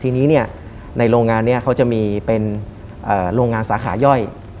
ทีนี้ในโรงงานนี้เขาจะมีเป็นโรงงานสาขาย่อย